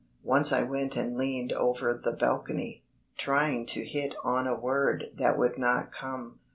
Once I went and leaned over the balcony, trying to hit on a word that would not come.